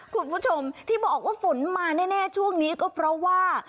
คุณผู้ชมที่บอกว่าฝนมาแน่ช่วงนี้ก็เพราะว่า